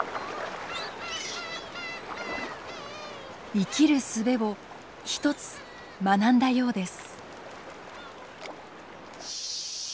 生きるすべを１つ学んだようです。